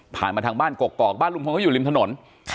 ผ่านมาทางบ้านกกกอกบ้านลุงพลก็อยู่ริมถนน